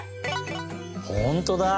ほんとうだ。